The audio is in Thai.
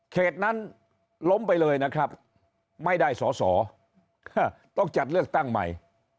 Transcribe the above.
เขตนั้นล้มไปเลยนะครับไม่ได้สอสอต้องจัดเลือกตั้งใหม่